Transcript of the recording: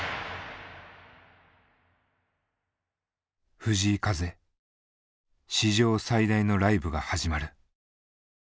藤井風史上最大のライブが始まる。